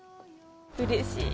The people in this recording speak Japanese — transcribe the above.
うれしい！